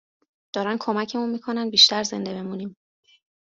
دارن کمکمون میکنن بیشتر زنده بمونیم